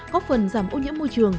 góp phần giảm ô nhiễm môi trường